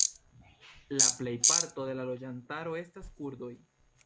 La plejparto de la loĝantaro estas kurdoj.